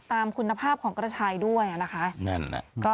ตามคุณภาพของกระชายด้วยนะคะ